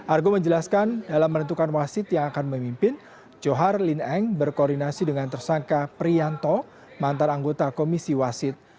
argo menjelaskan dalam menentukan wasit yang akan memimpin johar lin eng berkoordinasi dengan tersangka prianto mantan anggota komisi wasit